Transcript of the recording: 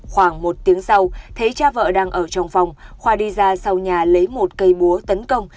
khoảng một tiếng sau thế cha vợ đang ở trong phòng khoa đi ra sau nhà lấy một cây búa tấn công